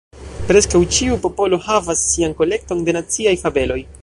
Preskaŭ ĉiu popolo havas sian kolekton de naciaj fabeloj.